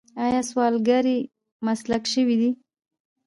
آیا سوالګري مسلک شوی دی؟